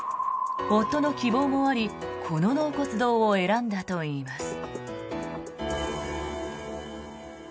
夫の希望もありこの納骨堂を選んだといいます。